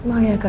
oh ya kak